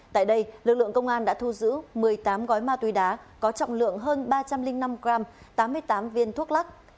tại đây lực lượng công an đã thu giữ một mươi tám gói ma túy đá có trọng lượng hơn ba trăm linh năm gram tám mươi tám viên thuốc lắc